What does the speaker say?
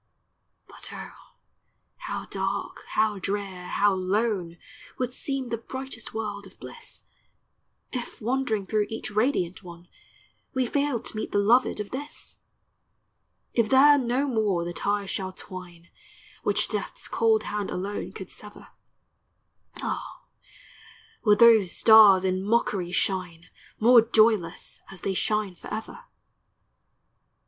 But oh, how dark, how drear, how lone, Would seem the brightest world of bliss, If, wandering through each radiant one, We failed to meet the loved of this ! If there no more the ties shall twine Which death's cold hand alone could sever, Ah, would those stars in mockery shine, More joyless, as they shine forever